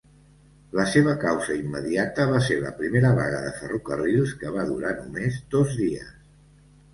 La seva causa immediata va ser la primera vaga de ferrocarrils que va durar només dos dies.